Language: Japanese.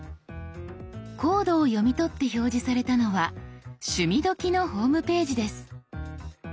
コードを読み取って表示されたのは「趣味どきっ！」のホームページです。